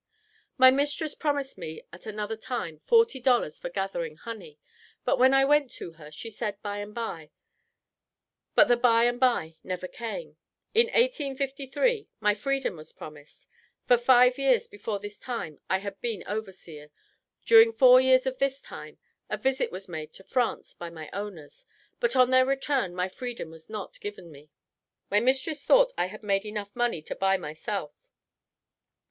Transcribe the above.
"My mistress promised me at another time forty dollars for gathering honey, but when I went to her, she said, by and by, but the by and by never came. In 1853 my freedom was promised; for five years before this time I had been overseer; during four years of this time a visit was made to France by my owners, but on their return my freedom was not given me. My mistress thought I had made enough money to buy myself.